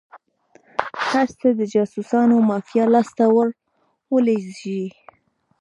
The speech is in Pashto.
هر څه د جاسوسانو مافیا لاس ته ور ولویږي.